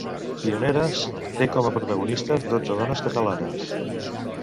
"Pioneres" té com a protagonistes dotze dones catalanes.